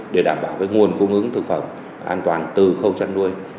để đảm bảo nguồn cung ứng thực phẩm an toàn từ khâu chăn nuôi